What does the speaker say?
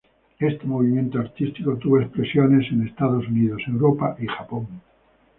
Este movimiento artístico tuvo expresiones en Estados Unidos, Europa y Japón.